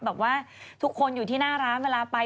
บอกว่าทุกคนอยู่ที่หน้าร้านเวลาไป